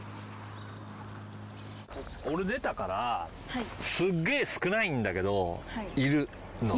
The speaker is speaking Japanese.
俺出たからはいすっげぇ少ないんだけどいるのね